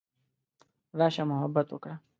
راشه محبت وکړه.